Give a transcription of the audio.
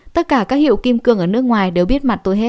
tất cả các hiệu kim cương ở nước ngoài đều biết mặt tôi hết